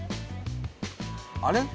あれ？